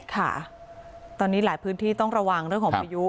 ค่ะตอนนี้หลายพื้นที่ต้องระวังเรื่องของพายุ